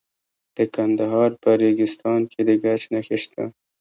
د کندهار په ریګستان کې د ګچ نښې شته.